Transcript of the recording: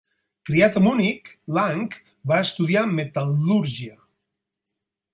Criat a Munic, Lang va estudiar metal·lúrgia.